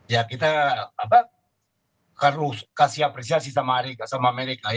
ya kita harus kasih apresiasi sama mereka